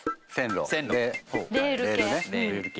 レール系。